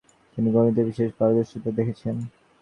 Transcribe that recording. তিনি গণিতে বিশেষ পারদর্শিতা দেখিয়েছেন।